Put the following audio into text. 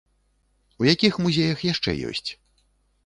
У якіх музеях яшчэ ёсць?